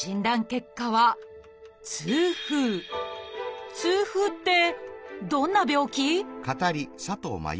結果は「痛風」ってどんな病気？